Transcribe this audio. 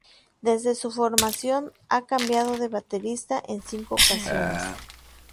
Desde su formación, ha cambiado de baterista en cinco ocasiones.